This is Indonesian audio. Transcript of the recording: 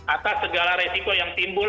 atas segala resiko yang timbul